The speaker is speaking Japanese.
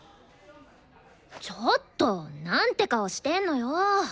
ちょっとなんて顔してんのよ。